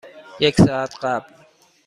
یک ساعت قبل.